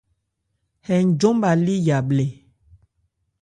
Hɛ njɔn bha lí yabhlɛ́.